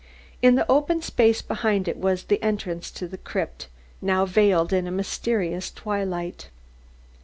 In the open space behind it was the entrance to the crypt, now veiled in a mysterious twilight.